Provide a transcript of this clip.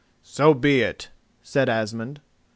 "So be it," said Asmund.